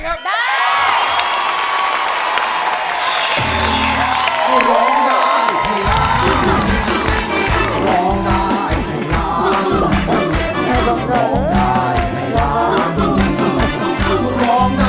คุณบังเอิญร้องได้ให้ร้างให้ลูกหนุ่มสูงชีวิต